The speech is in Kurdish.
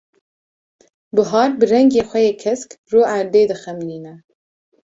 Buhar bi rengê xwe yê kesk, rûerdê dixemilîne.